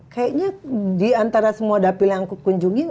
kayaknya di antara semua dapil yang aku kunjungi